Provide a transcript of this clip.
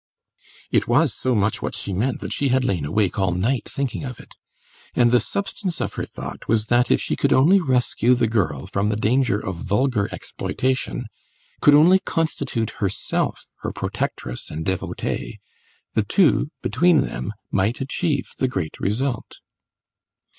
It was so much what she meant that she had lain awake all night thinking of it, and the substance of her thought was that if she could only rescue the girl from the danger of vulgar exploitation, could only constitute herself her protectress and devotee, the two, between them, might achieve the great result.